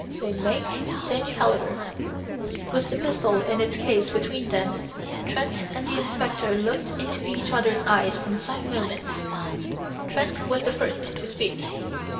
"Same make, same caliber." With the pistol in its case between them, Trent and the inspector looked into each other's eyes for some moments. Trent was the first to speak.